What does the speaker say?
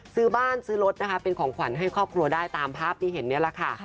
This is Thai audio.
ซื้อบ้านซื้อรถนะคะเป็นของขวัญให้ครอบครัวได้ตามภาพที่เห็นนี่แหละค่ะ